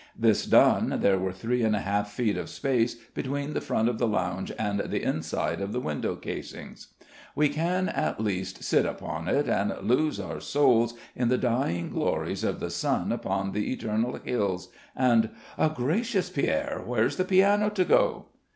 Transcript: This done, there were three and a half feet of space between the front of the lounge and the inside of the window casings. We can, at least, sit upon it and lose our souls in the dying glories of the sun upon the eternal hills, and "Gracious, Pierre, where's the piano to go?"